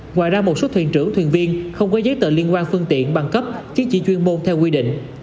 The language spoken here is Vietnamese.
ngoài ra một số thuyền trưởng thuyền viên không có giấy tờ liên quan phương tiện bằng cấp chứng chỉ chuyên môn theo quy định